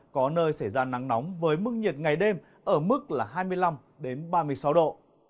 có nơi xảy ra nắng nóng với mức nhiệt ngày đêm ở mức là hai mươi năm ba mươi sáu độ